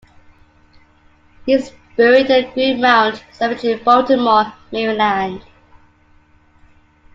He is buried in Green Mount Cemetery, Baltimore, Maryland.